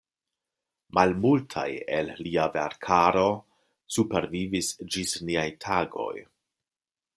Malmultaj el lia verkaro supervivis ĝis niaj tagoj.